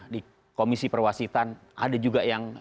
di komisi perwasitan ada juga yang